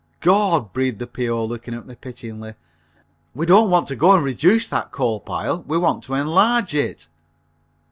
"Gord," breathed the P.O., looking at me pityingly, "we don't want to go and reduce that coal pile, we want to enlarge it."